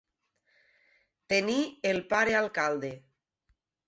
Tenir el pare alcalde.